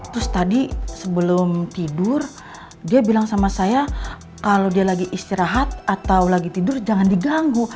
terus tadi sebelum tidur dia bilang sama saya kalau dia lagi istirahat atau lagi tidur jangan diganggu